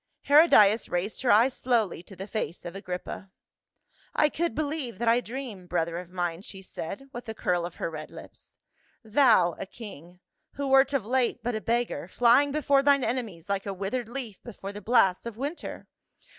Herodias raised her eyes slowly to the face of Agrippa. " I could believe that I dream, brother of mine," she said with a curl of her red lips, " Thou a king — who wert of late but a beggar, flying before thine enemies like a withered leaf before the blasts of winter